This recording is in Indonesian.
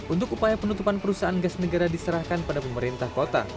untuk upaya penutupan perusahaan gas negara diserahkan pada pemerintah kota